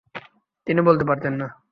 তিনি বলতে পারতেন না।